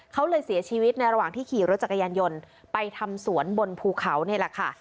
เขาเลยเสียชีวิตในระหว่างที่ขี่รถจักรยานยนต์ไปทำสวนบนภูเขานี่แหละค่ะ